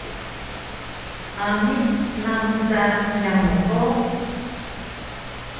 Amis namu ka yamu hug?